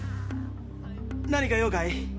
何か用かい？